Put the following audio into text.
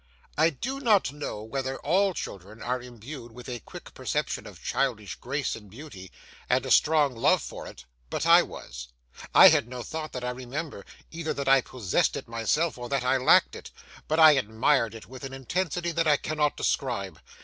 I do not know whether all children are imbued with a quick perception of childish grace and beauty, and a strong love for it, but I was. I had no thought that I remember, either that I possessed it myself or that I lacked it, but I admired it with an intensity that I cannot describe.